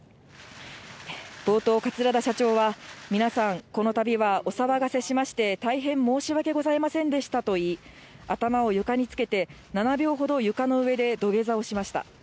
冒頭、桂田社長は、皆さん、このたびはお騒がせしまして、大変申し訳ございませんでしたと言い、頭を床につけて、７秒ほど床の上で土下座をしました。